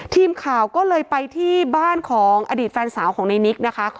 ทีมข่าวก็เลยไปที่บ้านของอดีตแฟนสาวของในนิกนะคะ